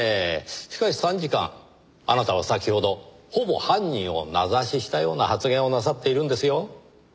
しかし参事官あなたは先ほどほぼ犯人を名指ししたような発言をなさっているんですよ。